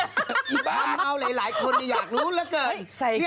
ขำอ่าวเลยหลายคนอะอยากรู้แล้วเกิน